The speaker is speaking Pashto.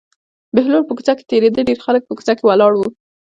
بهلول په کوڅه کې تېرېده ډېر خلک په کوڅه کې ولاړ وو.